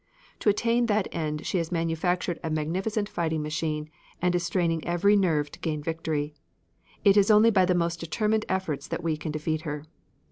To attain that end she has manufactured a magnificent fighting machine, and is straining every nerve to gain victory.... It is only by the most determined efforts that we can defeat her."